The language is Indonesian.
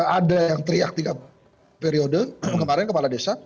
ada yang teriak tiga periode kemarin kepala desa